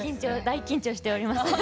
大緊張しております。